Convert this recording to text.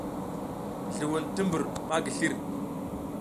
Zluwun ti mbur ma slir.